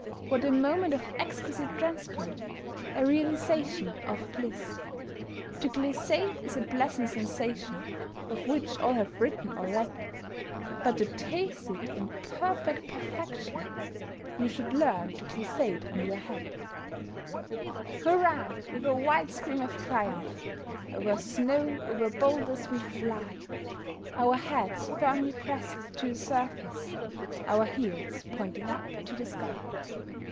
What a moment of exquisite transport! A realization of bliss! To glissade is a pleasant sensation, Of which all have written, or read; But to taste it, in perfect perfection, You should learn to glissade on your head. Hurrah! with a wild scream of triumph, Over snow, over boulders we fly, Our heads firmly pressed to the surface, Our heels pointing up to the sky!